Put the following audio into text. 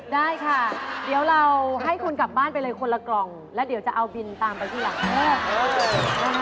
ได้ค่ะเดี๋ยวเราให้คุณกลับบ้านไปเลยคนละกล่องแล้วเดี๋ยวจะเอาบินตามไปที่หลัง